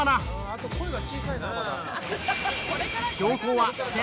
「あと声が小さいなまだ」